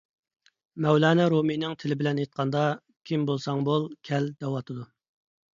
مەۋلانا رۇمىينىڭ تىلى بىلەن ئېيتقاندا، كىم بولساڭ بول، كەل، دەۋاتىدۇ.